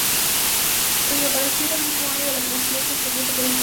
Tras su aparición el mismo año de su creación se extendió por todo Internet.